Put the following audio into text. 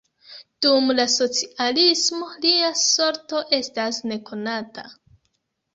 Dum la socialismo lia sorto estas nekonata.